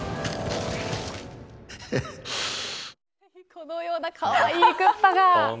このようなかわいいクッパが。